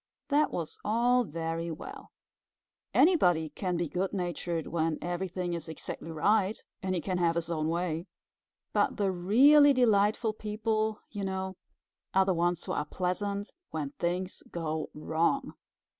That was all very well. Anybody can be good natured when everything is exactly right and he can have his own way. But the really delightful people, you know, are the ones who are pleasant when things go wrong.